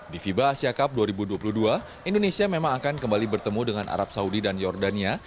di fiba asia cup dua ribu dua puluh dua indonesia memang akan kembali bertemu dengan arab saudi dan jordania